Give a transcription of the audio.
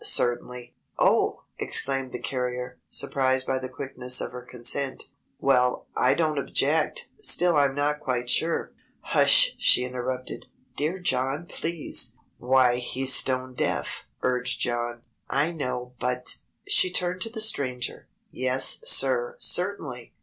Certainly!" "Oh!" exclaimed the carrier, surprised by the quickness of her consent. "Well, I don't object; still I'm not quite sure " "Hush!" she interrupted. "Dear John, please." "Why, he's stone deaf," urged John. "I know, but " She turned to the Stranger. "Yes, sir, certainly.